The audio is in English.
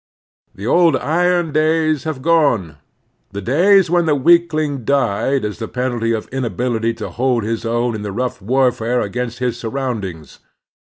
The old iron days have gone, the days when the weakling died as the penalty of inability to hold his own in the rough warfare against his siurotmd ings.